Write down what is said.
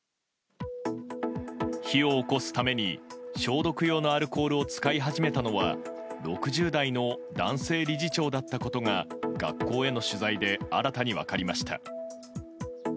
火を起こすために消毒用のアルコールを使い始めたのは６０代の男性理事長だったことが学校への取材で新たに分かりました。